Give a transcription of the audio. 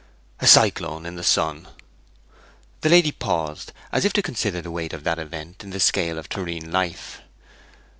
'A cyclone in the sun.' The lady paused, as if to consider the weight of that event in the scale of terrene life.